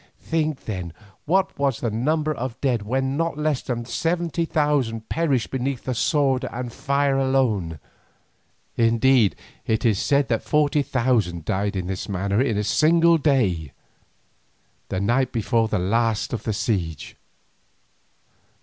Think then what was the number of dead when not less than seventy thousand perished beneath the sword and by fire alone. Indeed, it is said that forty thousand died in this manner in a single day, the day before the last of the siege.